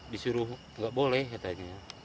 disuruh nggak boleh katanya